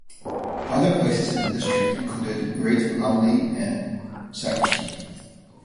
Other places in the district included Great Lumley and Sacriston.